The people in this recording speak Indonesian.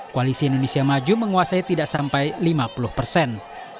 koalisi indonesia maju menguasai tidak sampai lima puluh persen